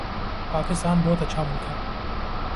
پاکستان بہت اچھا ملک ہے